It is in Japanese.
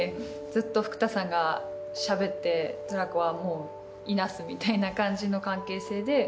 ずっと福多さんがしゃべってトラコはもういなすみたいな感じの関係性で。